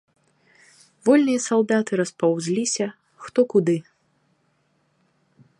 Вольныя салдаты распаўзліся хто куды.